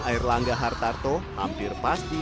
airlangga hartarto hampir pasti